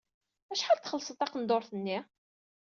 Acḥal txellṣeḍ taqendurt-nni?